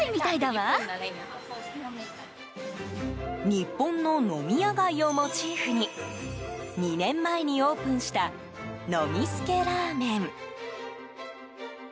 日本の飲み屋街をモチーフに２年前にオープンしたノミスケラーメン。